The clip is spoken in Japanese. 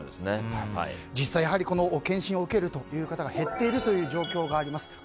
実際、検診を受ける方が減っているという状況があります。